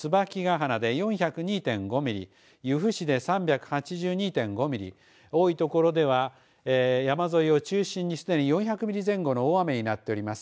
鼻で４０２．５ミリ由布市で３８２．５ミリ多い所では山沿いを中心にすでに４００ミリ前後の大雨になっております。